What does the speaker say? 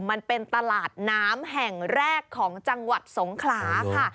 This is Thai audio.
มันเป็นตลาดน้ำแห่งแรกของจังหวัดสงขลาค่ะ